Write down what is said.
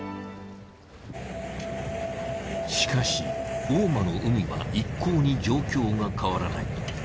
しかし大間の海は一向に状況が変わらない。